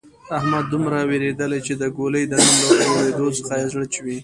احمد دومره وېرېدلۍ چې د ګولۍ د نوم له اورېدو څخه یې زړه چوي.